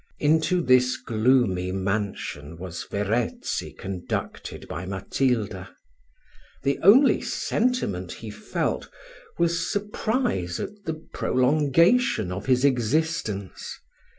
Into this gloomy mansion was Verezzi conducted by Matilda. The only sentiment he felt, was surprise at the prolongation of his existence.